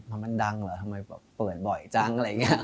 มันดังเหรอทำไมเปิดบ่อยจัง